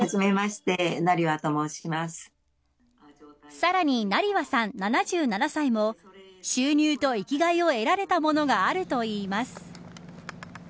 さらに成羽さん、７７歳も収入と生きがいを得られたものがあるといいます。